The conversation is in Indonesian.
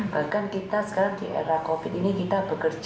bahkan kita sekarang di era covid ini kita bekerja